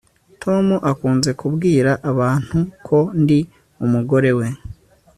tom akunze kubwira abantu ko ndi umugore we